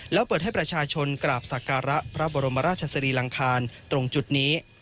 แล้วเปิดให้ประชาชนกราบสักการะพระบรมราชสรีรังคารตรงจุดนี้